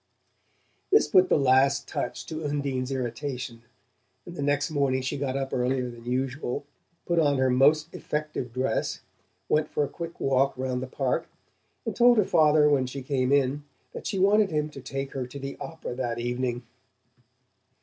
This put the last touch to Undine's irritation, and the next morning she got up earlier than usual, put on her most effective dress, went for a quick walk around the Park, and told her father when she came in that she wanted him to take her to the opera that evening.